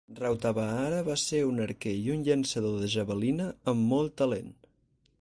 Rautavaara va ser un arquer i un llançador de javelina amb molt talent.